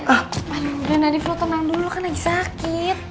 aduh udah nadi fio tenang dulu kan lagi sakit